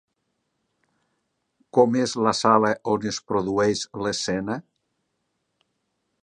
Com és la sala on es produeix l'escena?